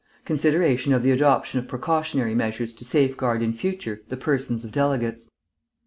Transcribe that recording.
Consideration of the adoption of precautionary measures to safeguard in future the persons of delegates.